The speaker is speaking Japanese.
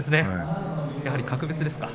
やはり格別ですか？